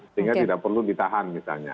sehingga tidak perlu ditahan misalnya